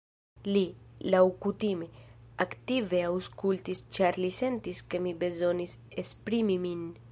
Li, laŭkutime, aktive aŭskultis, ĉar li sentis ke mi bezonis esprimi min.